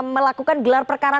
melakukan gelar perkara